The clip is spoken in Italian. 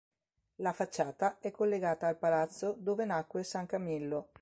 La facciata è collegata al palazzo dove nacque San Camillo.